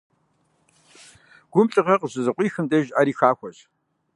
Гум лӀыгъэ къыщызыкъуихым деж, Ӏэри хахуэщ.